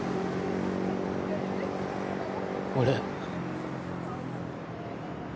俺。